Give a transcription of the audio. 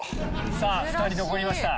さぁ２人残りました。